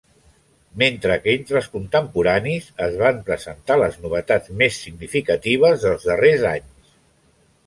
Mentre que entre els contemporanis es van presentar les novetats més significatives dels darrers anys.